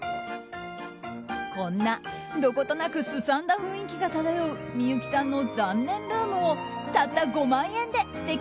こんな、どことなく荒んだ雰囲気が漂う幸さんの残念ルームをたった５万円で素敵